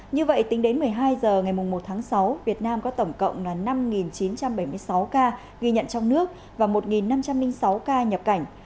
như vậy tính đến một mươi hai h ngày một tháng sáu việt nam có tổng cộng là năm chín trăm bảy mươi sáu ca ghi nhận trong nước và một năm trăm linh sáu ca nhập cảnh